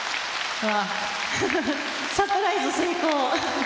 「サプライズ成功」